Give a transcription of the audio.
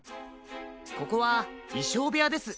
ここはいしょうべやです。